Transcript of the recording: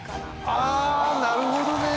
あなるほどね。